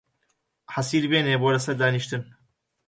حەسیر بێنێ بۆ لە سەر دانیشتن